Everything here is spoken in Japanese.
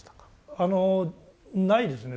あのないですね